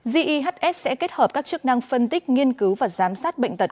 gehs sẽ kết hợp các chức năng phân tích nghiên cứu và giám sát bệnh tật